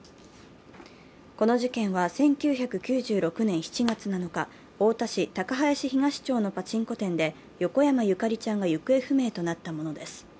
この事件は１９９６年７月７日、太田市高林東町のパチンコ店で、横山ゆかりちゃんが行方不明となったものです。